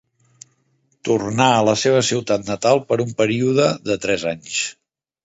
Tornà a la seva ciutat natal per un període de tres anys.